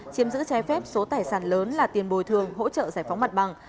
chiếm giữ trái phép số tài sản lớn là tiền bồi thường hỗ trợ giải phóng mặt bằng